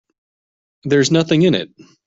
There's nothing in it.